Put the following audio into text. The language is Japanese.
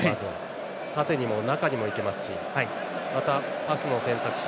縦にも中にもいけますしまた、パスの選択肢。